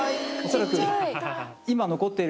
恐らく。